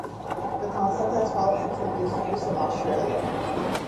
The concept has fallen into disuse in Australia.